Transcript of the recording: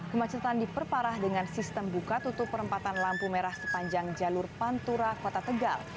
kemacetan diperparah dengan sistem buka tutup perempatan lampu merah sepanjang jalur pantura kota tegal